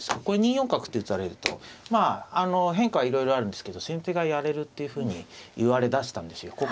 これ２四角って打たれるとまああの変化はいろいろあるんですけど先手がやれるっていうふうに言われ出したんですよ。